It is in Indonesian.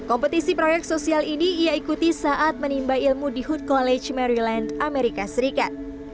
kompetisi proyek sosial ini ia ikuti saat menimba ilmu di hood college maryland amerika serikat